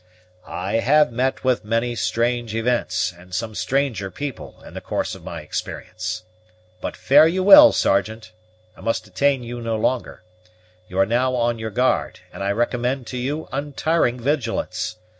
"I have met with many strange events, and some stranger people, in the course of my experience. But fare you well, Sergeant; I must detain you no longer. You are now on your guard, and I recommend to you untiring vigilance.